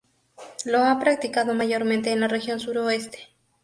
Lo ha practicado mayormente en la región suroeste.